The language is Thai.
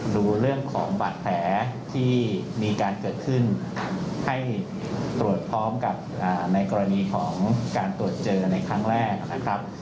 ดูเรื่องของบาดแผลที่มีการเกิดขึ้นให้ตรวจพร้อมกับในกรณีของการตรวจเจอในครั้งแรกนะครับ